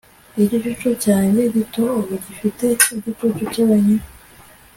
igicucu cyanjye gito ubu gifite igicucu cye wenyine